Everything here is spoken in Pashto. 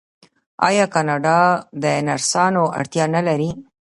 آیا کاناډا د نرسانو اړتیا نلري؟